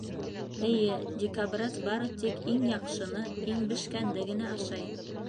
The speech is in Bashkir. Эйе, дикобраз бары тик иң яҡшыны, иң бешкәнде генә ашай.